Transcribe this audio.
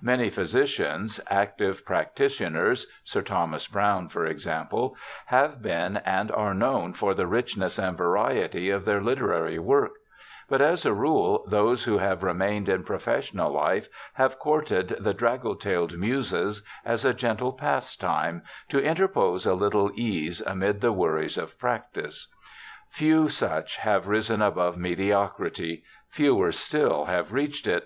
Many phy sicians, active practitioners — Sir Thomas Browne, for example — have been and are known for the richness and variety of their literary work ; but, as a rule, those who have remained in professional life have courted the 'draggle tailed Muses' as a gentle pastime, *to interpose a little ease ' amid the worries of practice. Few such have risen above mediocrity; fewer still have reached it.